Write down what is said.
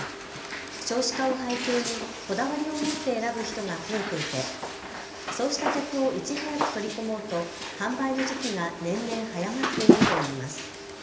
少子化を背景にこだわりを持って選ぶ人が増えていてそうした客をいち早く取り込もうと販売の時期が年々早まっているといいます。